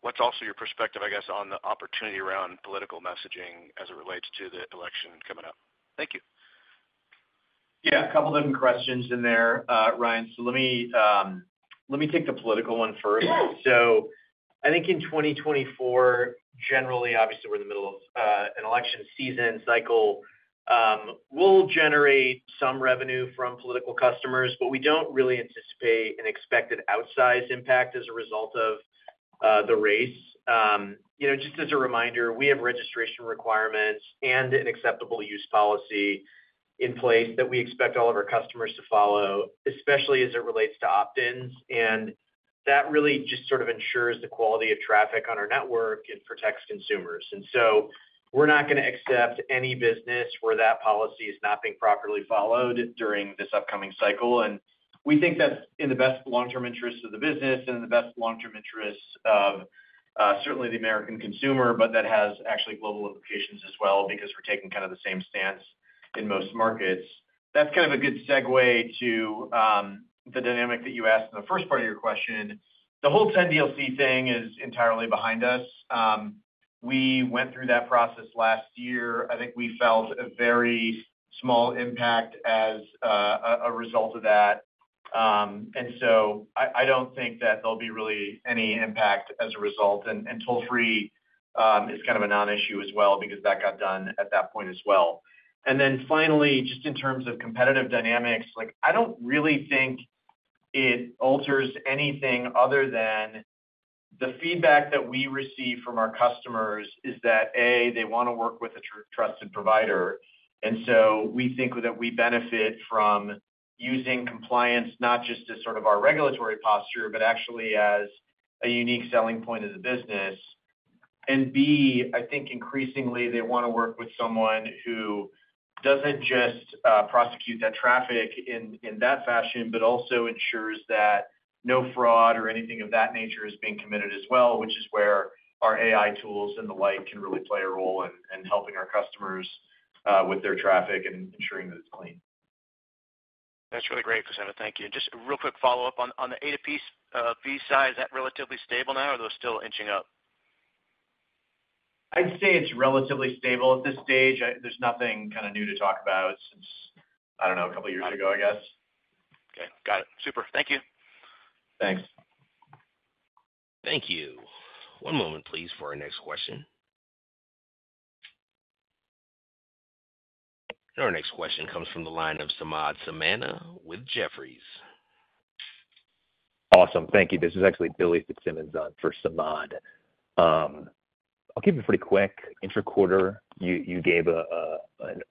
What's also your perspective, I guess, on the opportunity around political messaging as it relates to the election coming up? Thank you. Yeah. A couple of different questions in there, Ryan. So let me take the political one first. So I think in 2024, generally, obviously, we're in the middle of an election season cycle. We'll generate some revenue from political customers, but we don't really anticipate an expected outsize impact as a result of the race. Just as a reminder, we have registration requirements and an acceptable use policy in place that we expect all of our customers to follow, especially as it relates to opt-ins. And that really just sort of ensures the quality of traffic on our network and protects consumers. And so we're not going to accept any business where that policy is not being properly followed during this upcoming cycle. And we think that's in the best long-term interests of the business and in the best long-term interests of certainly the American consumer, but that has actually global implications as well because we're taking kind of the same stance in most markets. That's kind of a good segue to the dynamic that you asked in the first part of your question. The whole 10DLC thing is entirely behind us. We went through that process last year. I think we felt a very small impact as a result of that. And so I don't think that there'll be really any impact as a result. And toll-free is kind of a non-issue as well because that got done at that point as well. Then finally, just in terms of competitive dynamics, I don't really think it alters anything other than the feedback that we receive from our customers is that, A, they want to work with a trusted provider. So we think that we benefit from using compliance not just as sort of our regulatory posture, but actually as a unique selling point of the business. B, I think increasingly, they want to work with someone who doesn't just prosecute that traffic in that fashion, but also ensures that no fraud or anything of that nature is being committed as well, which is where our AI tools and the like can really play a role in helping our customers with their traffic and ensuring that it's clean. That's really great, Khozema. Thank you. And just a real quick follow-up. On the A2P fee side, is that relatively stable now, or are those still inching up? I'd say it's relatively stable at this stage. There's nothing kind of new to talk about since, I don't know, a couple of years ago, I guess. Okay. Got it. Super. Thank you. Thanks. Thank you. One moment, please, for our next question. Our next question comes from the line of Samad Samana with Jefferies. Awesome. Thank you. This is actually Billy Fitzsimmons for Samad. I'll keep it pretty quick. Intra-quarter, you gave an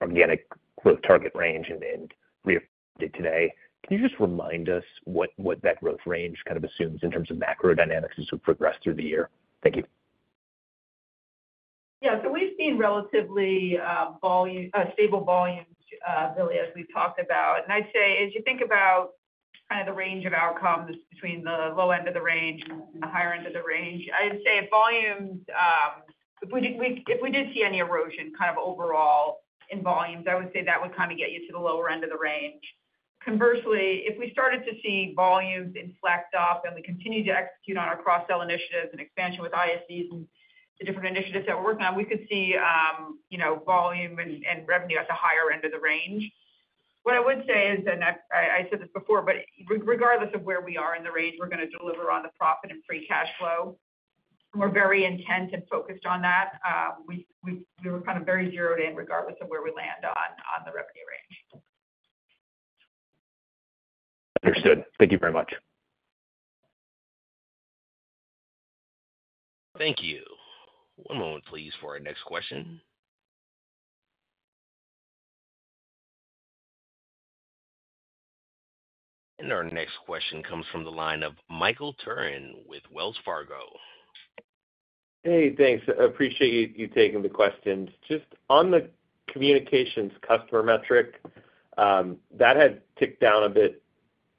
organic growth target range and reaffirmed it today. Can you just remind us what that growth range kind of assumes in terms of macro dynamics as we progress through the year? Thank you. Yeah. So we've seen relatively stable volumes, Billy, as we've talked about. And I'd say as you think about kind of the range of outcomes between the low end of the range and the higher end of the range, I'd say if we did see any erosion kind of overall in volumes, I would say that would kind of get you to the lower end of the range. Conversely, if we started to see volumes inflect up and we continue to execute on our cross-sell initiatives and expansion with ISVs and the different initiatives that we're working on, we could see volume and revenue at the higher end of the range. What I would say is, and I said this before, but regardless of where we are in the range, we're going to deliver on the profit and free cash flow. We're very intent and focused on that. We were kind of very zeroed in regardless of where we land on the revenue range. Understood. Thank you very much. Thank you. One moment, please, for our next question. Our next question comes from the line of Michael Turrin with Wells Fargo. Hey. Thanks. Appreciate you taking the questions. Just on the Communications customer metric, that had ticked down a bit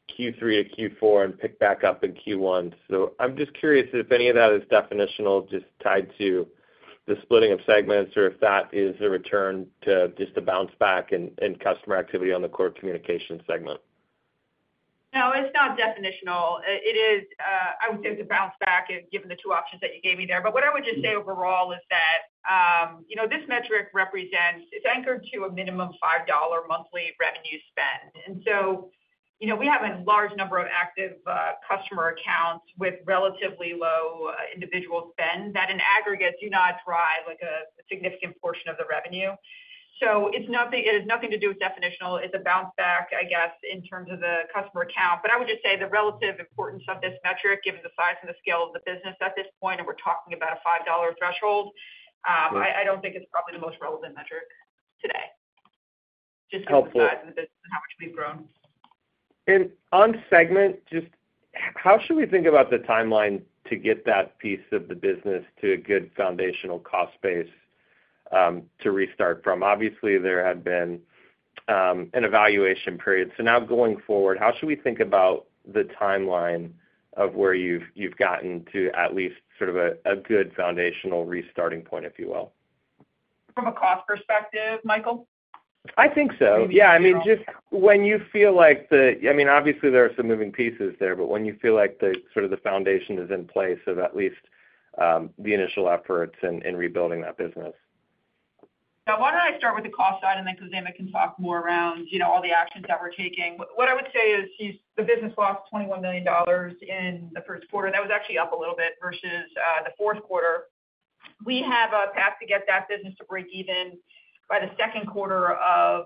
Q3 to Q4 and picked back up in Q1. So I'm just curious if any of that is definitional just tied to the splitting of Segments or if that is a return to just a bounce back in customer activity on the core Communications segment. No, it's not definitional. I would say it's a bounce back given the two options that you gave me there. But what I would just say overall is that this metric represents it's anchored to a minimum $5 monthly revenue spend. And so we have a large number of active customer accounts with relatively low individual spend that in aggregate do not drive a significant portion of the revenue. So it has nothing to do with definitional. It's a bounce back, I guess, in terms of the customer account. But I would just say the relative importance of this metric, given the size and the scale of the business at this point, and we're talking about a $5 threshold, I don't think it's probably the most relevant metric today, just given the size of the business and how much we've grown. On Segment, just how should we think about the timeline to get that piece of the business to a good foundational cost base to restart from? Obviously, there had been an evaluation period. Now going forward, how should we think about the timeline of where you've gotten to at least sort of a good foundational restarting point, if you will? From a cost perspective, Michael? I think so. Yeah. I mean, just when you feel like I mean, obviously, there are some moving pieces there, but when you feel like sort of the foundation is in place of at least the initial efforts in rebuilding that business. Now, why don't I start with the cost side and then Khozema can talk more around all the actions that we're taking. What I would say is the business lost $21 million in the first quarter. That was actually up a little bit versus the fourth quarter. We have a path to get that business to break even by the second quarter of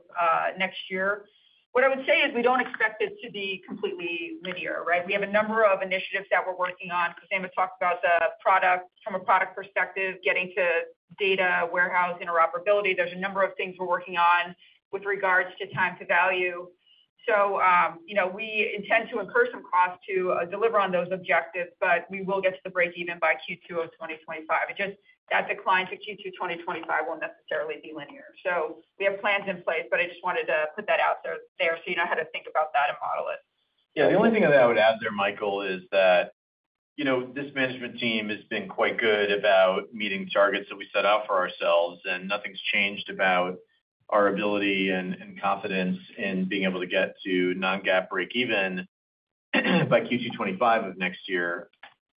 next year. What I would say is we don't expect it to be completely linear, right? We have a number of initiatives that we're working on. Khozema talked about the product from a product perspective, getting to Data Warehouse Interoperability. There's a number of things we're working on with regards to time to value. So we intend to incur some cost to deliver on those objectives, but we will get to the break even by Q2 of 2025. That decline to Q2 2025 won't necessarily be linear. We have plans in place, but I just wanted to put that out there so you know how to think about that and model it. Yeah. The only thing that I would add there, Michael, is that this management team has been quite good about meeting targets that we set out for ourselves, and nothing's changed about our ability and confidence in being able to get to non-GAAP break even by Q2 2025 of next year.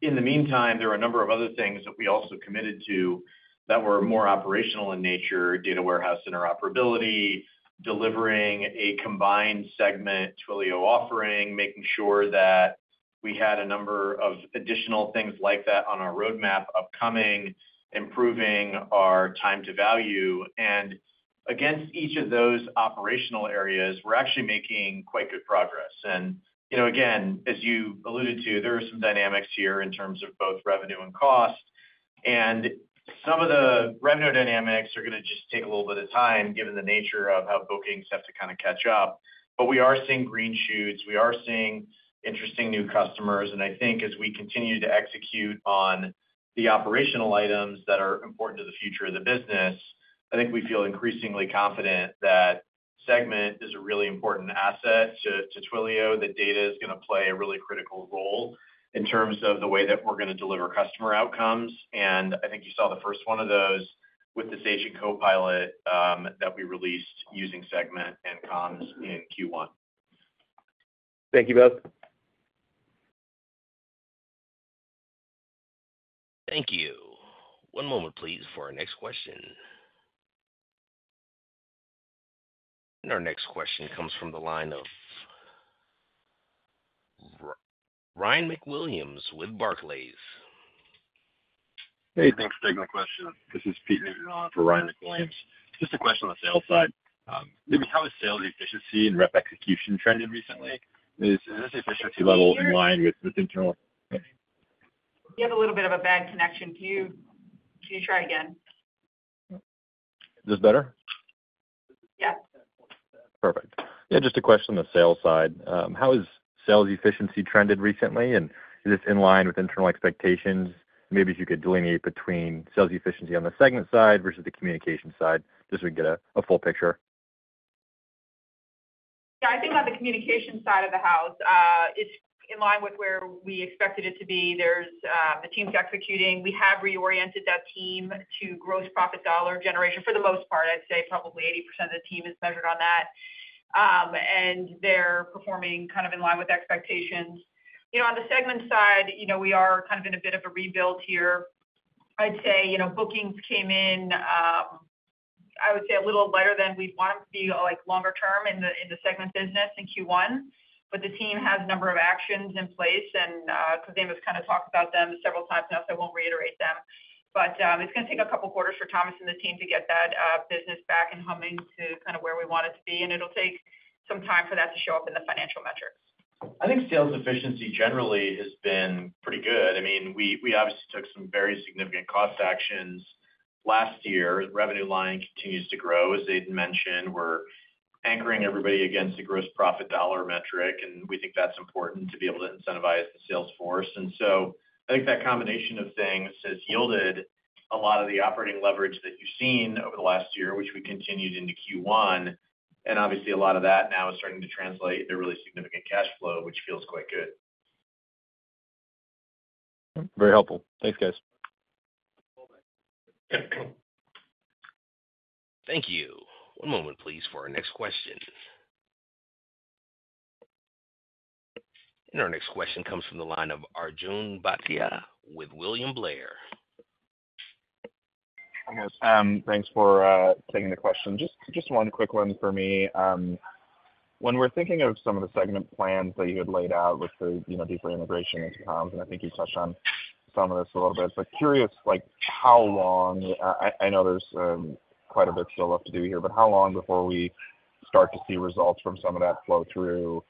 In the meantime, there were a number of other things that we also committed to that were more operational in nature: Data Warehouse Interoperability, delivering a combined Segment Twilio offering, making sure that we had a number of additional things like that on our roadmap upcoming, improving our time to value. And against each of those operational areas, we're actually making quite good progress. And again, as you alluded to, there are some dynamics here in terms of both revenue and cost. Some of the revenue dynamics are going to just take a little bit of time given the nature of how bookings have to kind of catch up. But we are seeing green shoots. We are seeing interesting new customers. And I think as we continue to execute on the operational items that are important to the future of the business, I think we feel increasingly confident that Segment is a really important asset to Twilio, that data is going to play a really critical role in terms of the way that we're going to deliver customer outcomes. And I think you saw the first one of those with the Agent Copilot that we released using Segment and comms in Q1. Thank you both. Thank you. One moment, please, for our next question. Our next question comes from the line of Ryan McWilliams with Barclays. Hey. Thanks for taking the question. This is Pete Newton for Ryan McWilliams. Just a question on the sales side. Maybe how has sales efficiency and rep execution trended recently? Is this efficiency level in line with internal expectations? We had a little bit of a bad connection. Can you try again? Is this better? Yes. Perfect. Yeah. Just a question on the sales side. How has sales efficiency trended recently, and is this in line with internal expectations? Maybe if you could delineate between sales efficiency on the Segment side versus the Communications side just so we can get a full picture. Yeah. I think on the Communications side of the house, it's in line with where we expected it to be. There's the teams executing. We have reoriented that team to gross profit dollar generation for the most part. I'd say probably 80% of the team is measured on that. And they're performing kind of in line with expectations. On the Segment side, we are kind of in a bit of a rebuild here. I'd say bookings came in, I would say, a little lighter than we'd want them to be longer-term in the Segment business in Q1. But the team has a number of actions in place. And Khozema's kind of talked about them several times now, so I won't reiterate them. But it's going to take a couple of quarters for Thomas and the team to get that business back and humming to kind of where we want it to be. And it'll take some time for that to show up in the financial metrics. I think sales efficiency generally has been pretty good. I mean, we obviously took some very significant cost actions last year. Revenue line continues to grow. As Aidan mentioned, we're anchoring everybody against the gross profit dollar metric, and we think that's important to be able to incentivize the sales force. And so I think that combination of things has yielded a lot of the operating leverage that you've seen over the last year, which we continued into Q1. And obviously, a lot of that now is starting to translate into really significant cash flow, which feels quite good. Very helpful. Thanks, guys. Thank you. One moment, please, for our next question. Our next question comes from the line of Arjun Bhatia with William Blair. Thanks for taking the question. Just one quick one for me. When we're thinking of some of the Segment plans that you had laid out with the deeper integration into comms, and I think you touched on some of this a little bit, but curious how long I know there's quite a bit still left to do here, but how long before we start to see results from some of that flow through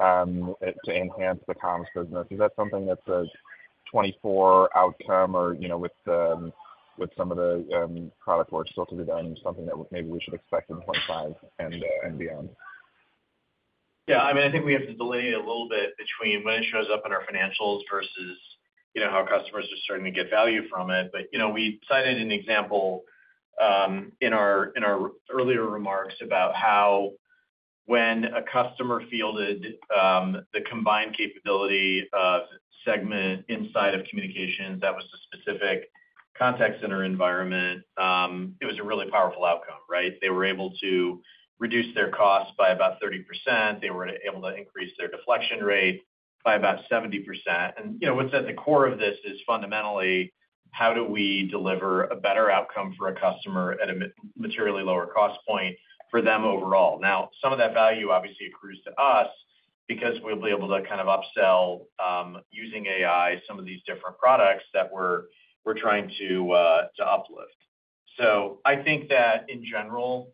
to enhance the comms business? Is that something that's a 2024 outcome or with some of the product we're still to be done something that maybe we should expect in 2025 and beyond? Yeah. I mean, I think we have to delineate a little bit between when it shows up in our financials versus how customers are starting to get value from it. But we cited an example in our earlier remarks about how when a customer fielded the combined capability of Segment inside of Communications, that was a specific contact center environment, it was a really powerful outcome, right? They were able to reduce their cost by about 30%. They were able to increase their deflection rate by about 70%. And what's at the core of this is fundamentally, how do we deliver a better outcome for a customer at a materially lower cost point for them overall? Now, some of that value, obviously, accrues to us because we'll be able to kind of upsell using AI some of these different products that we're trying to uplift. I think that, in general,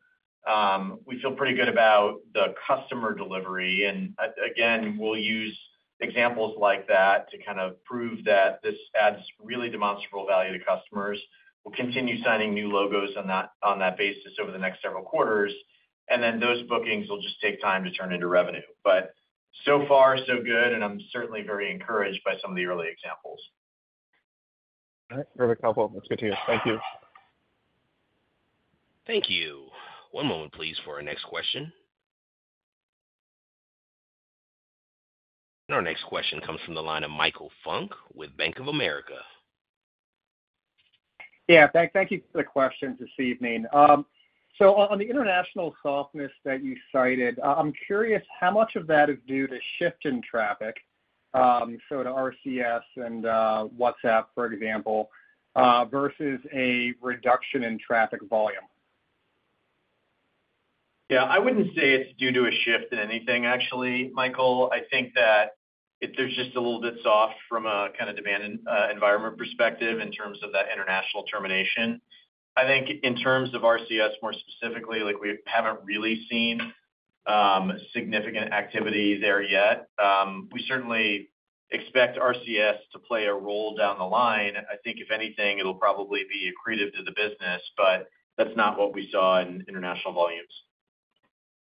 we feel pretty good about the customer delivery. Again, we'll use examples like that to kind of prove that this adds really demonstrable value to customers. We'll continue signing new logos on that basis over the next several quarters. Then those bookings will just take time to turn into revenue. But so far, so good. I'm certainly very encouraged by some of the early examples. All right. Perfect helpful. That's good to hear. Thank you. Thank you. One moment, please, for our next question. Our next question comes from the line of Michael Funk with Bank of America. Yeah. Thank you for the question this evening. So on the international softness that you cited, I'm curious how much of that is due to shift in traffic, so to RCS and WhatsApp, for example, versus a reduction in traffic volume? Yeah. I wouldn't say it's due to a shift in anything, actually, Michael. I think that there's just a little bit soft from a kind of demand environment perspective in terms of that international termination. I think in terms of RCS more specifically, we haven't really seen significant activity there yet. We certainly expect RCS to play a role down the line. I think, if anything, it'll probably be accretive to the business, but that's not what we saw in international volumes.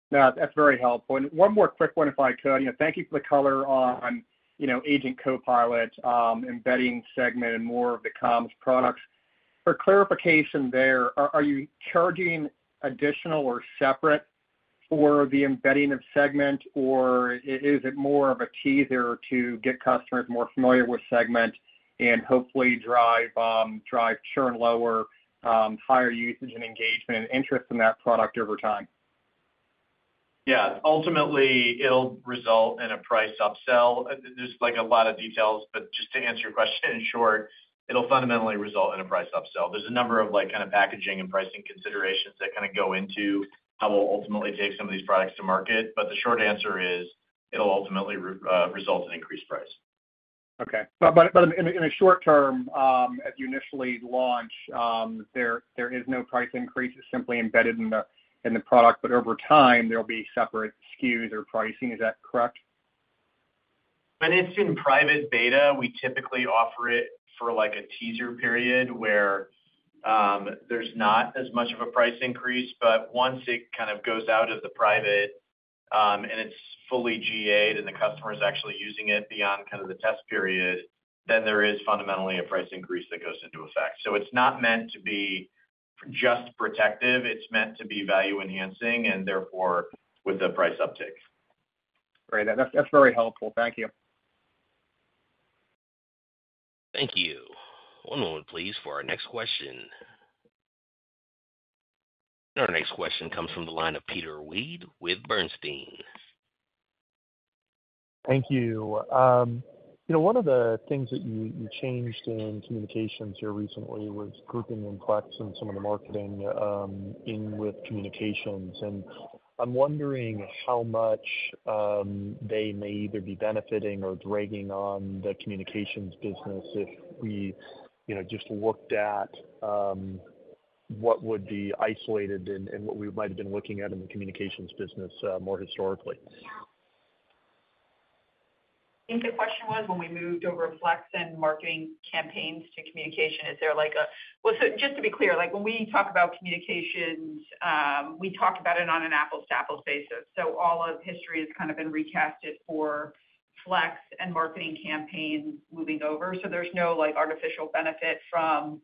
No. That's very helpful. And one more quick one, if I could. Thank you for the color on Agent Copilot, embedding Segment, and more of the comms products. For clarification there, are you charging additional or separate for the embedding of Segment, or is it more of a teaser to get customers more familiar with Segment and hopefully drive churn lower, higher usage and engagement and interest in that product over time? Yeah. Ultimately, it'll result in a price upsell. There's a lot of details, but just to answer your question in short, it'll fundamentally result in a price upsell. There's a number of kind of packaging and pricing considerations that kind of go into how we'll ultimately take some of these products to market. But the short answer is it'll ultimately result in increased price. Okay. But in the short term, as you initially launch, there is no price increase. It's simply embedded in the product. But over time, there'll be separate SKUs or pricing. Is that correct? When it's in private beta, we typically offer it for a teaser period where there's not as much of a price increase. But once it kind of goes out of the private and it's fully GA'd and the customer is actually using it beyond kind of the test period, then there is fundamentally a price increase that goes into effect. So it's not meant to be just protective. It's meant to be value-enhancing and therefore with a price uptake. Great. That's very helpful. Thank you. Thank you. One moment, please, for our next question. Our next question comes from the line of Peter Weed with Bernstein. Thank you. One of the things that you changed in Communications here recently was grouping Flex and some of the marketing in with Communications. I'm wondering how much they may either be benefiting or dragging on the Communications business if we just looked at what would be isolated and what we might have been looking at in the Communications business more historically? I think the question was when we moved over Flex and Marketing Campaigns to Communications, is there a well, so just to be clear, when we talk about Communications, we talk about it on an apples-to-apples basis. So all of history has kind of been recast for Flex and Marketing Campaigns moving over. So there's no artificial benefit from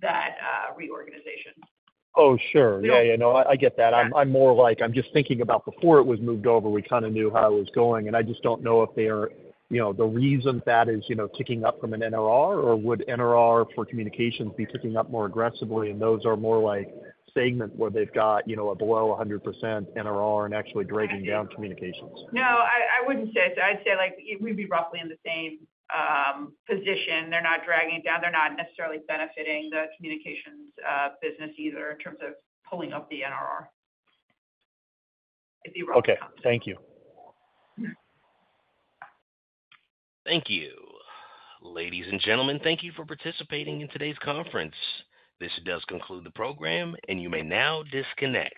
that reorganization. Oh, sure. Yeah, yeah. No, I get that. I'm more like I'm just thinking about before it was moved over, we kind of knew how it was going. And I just don't know if they are the reason that is ticking up from an NRR, or would NRR for Communications be ticking up more aggressively? And those are more Segment where they've got a below 100% NRR and actually dragging down Communications. No. I wouldn't say so. I'd say we'd be roughly in the same position. They're not dragging it down. They're not necessarily benefiting the Communications business either in terms of pulling up the NRR, if you roughly compare. Okay. Thank you. Thank you. Ladies and gentlemen, thank you for participating in today's conference. This does conclude the program, and you may now disconnect.